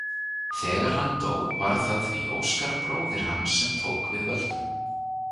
Þegar hann dó var það því Óskar bróðir hans sem tók við völdum.